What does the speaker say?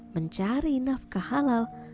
mencari nafkah halal